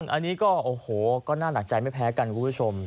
อันนี้ก็โอ้โหก็น่าหนักใจไม่แพ้กันคุณผู้ชม